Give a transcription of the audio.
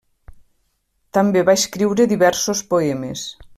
També va escriure diversos poemes.